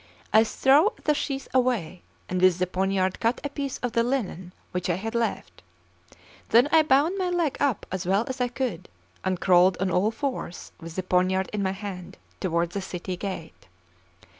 I threw the sheath away, and with the poniard cut a piece of the linen which I had left. Then I bound my leg up as well as I could, and crawled on all fours with the poniard in my hand toward the city gate.